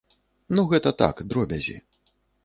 Ну гэта так, дробязі.